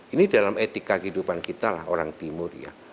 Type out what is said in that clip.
ini dalam etika kehidupan kita lah orang timur ya